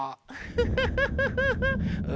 フフフフフフ。